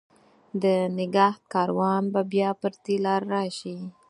د نګهت کاروان به بیا پر دې لار، راشي